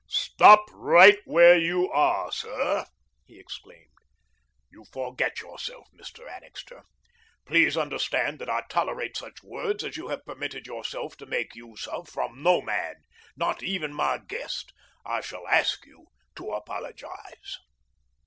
"Stop right where you are, sir," he exclaimed. "You forget yourself, Mr. Annixter. Please understand that I tolerate such words as you have permitted yourself to make use of from no man, not even from my guest. I shall ask you to apologise."